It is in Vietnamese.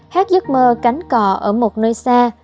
hát giấc mơ cánh cọ ở một nơi xa